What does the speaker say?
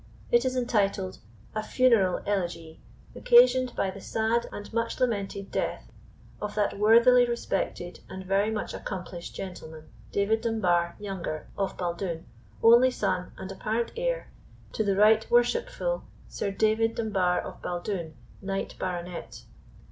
It is entitled: "A Funeral Elegie, occasioned by the sad and much lamented death of that worthily respected, and very much accomplished gentleman, David Dunbar, younger, of Baldoon, only son and apparent heir to the right worshipful Sir David Dunbar of Baldoon, Knight Baronet.